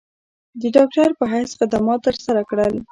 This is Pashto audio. د ډاکټر پۀ حېث خدمات تر سره کړل ۔